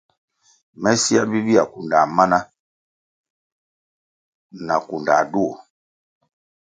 Me siē bibihya, kundā mana na na kunda duo.